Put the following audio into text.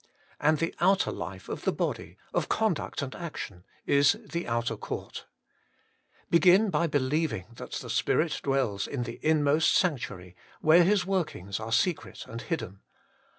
And the outer life of the body, of conduct and action, is the outer court. Begin by believing that the Spirit dwells In the Inmost sanctuary, where His workings are secret and hidden.